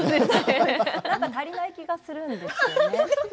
１個だと足りない気がするんです。